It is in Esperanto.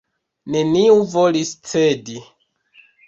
Neniu volis cedi.